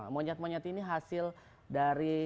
monyet monyet ini hasil dari